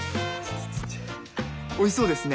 おいしそうですね。